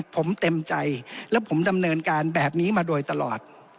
ผมเต็มใจและผมดำเนินการแบบนี้มาโดยตลอด